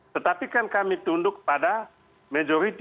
tetapi kan kami tunduk pada majority